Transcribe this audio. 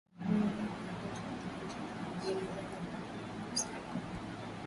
Oparesheni hiyo iliongozwa na wanajeshi wa Tanzania, Malawi, Jamhuri ya Kidemocrasia ya Kongo na Afrika ya kusini